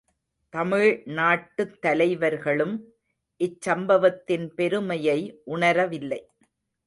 தமிழ்நாட்டுத் தலைவர்களும், இச்சம்பவத்தின் பெருமையை உணரவில்லை.